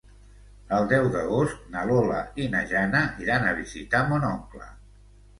El deu d'agost na Lola i na Jana iran a visitar mon oncle.